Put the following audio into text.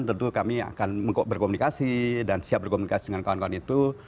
tentu kami akan berkomunikasi dan siap berkomunikasi dengan kawan kawan itu